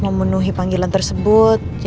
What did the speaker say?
memenuhi panggilan tersebut